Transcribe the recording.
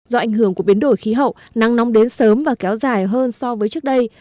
do ảnh hưởng của biến đổi khí hậu nắng nóng đến sớm và kéo dài hơn so với trước đây